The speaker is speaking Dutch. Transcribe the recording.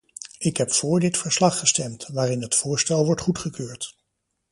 Ik heb voor dit verslag gestemd, waarin het voorstel wordt goedgekeurd.